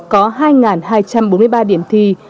có hai hai trăm bốn mươi ba điểm thi